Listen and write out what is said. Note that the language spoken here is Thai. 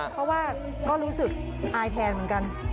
เพราะว่าก็รู้สึกอายแทนเหมือนกัน